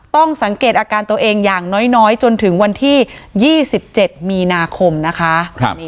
ต้องสังเกตอาการตัวเองอย่างน้อยจนถึงวันที่๒๗มีนาคมนะคะ